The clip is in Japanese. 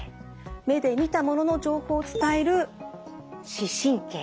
目で見たものの情報を伝える「視神経」。